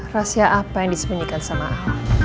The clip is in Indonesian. rahasia apa yang disembunyikan sama ahok